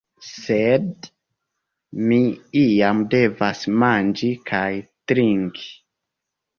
Sed mi iam devas manĝi kaj trinki.